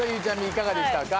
いかがでしたか？